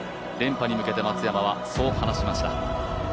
連覇に向けて松山はそう話しました。